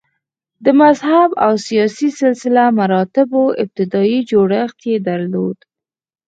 د مذهب او سیاسي سلسه مراتبو ابتدايي جوړښت یې درلود